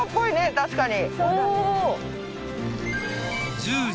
確かに。